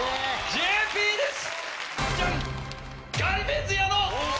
ＪＰです！